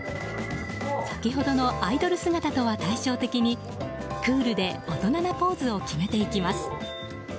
先ほどのアイドル姿とは対照的にクールで大人なポーズを決めていきます。